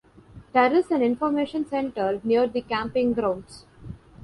There is an information centre near the camping grounds.